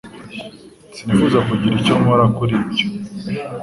Sinifuzaga kugira icyo nkora kuri byo.